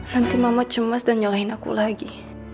nanti mama cemas dan nyalahin aku lagi